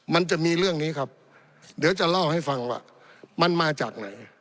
มันจะมีเรื่องนี้ครับเดี๋ยวจะเล่าให้ฟังว่ามันมาจากไหน